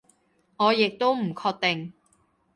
我亦都唔確定